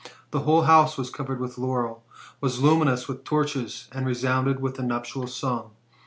The whole house was covered with laurel, was luminous* with torches, and resounded with the nuptial song.